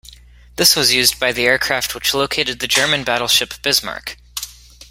This was used by the aircraft which located the German battleship Bismarck.